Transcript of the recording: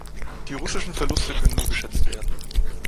Die russischen Verluste können nur geschätzt werden.